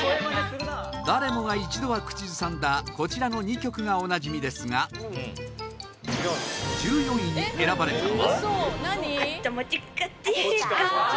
誰もが一度は口ずさんだこちらの２曲が、おなじみですが１４位に選ばれたのは